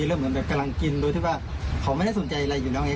แล้วเหมือนแบบกำลังกินโดยที่ว่าเขาไม่ได้สนใจอะไรอยู่แล้วไง